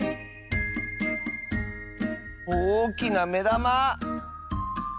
おおきなめだま！